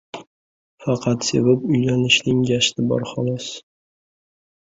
Faqat sevib uylanishning gashti bor xolos;